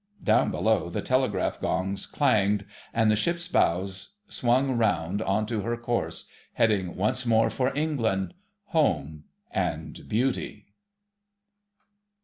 Down below the telegraph gongs clanged, and the ship's bows swung round on to her course, heading once more for England, Home, and Beauty.